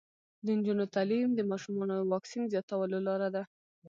د نجونو تعلیم د ماشومانو واکسین زیاتولو لاره ده.